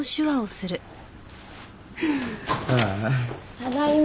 ただいま。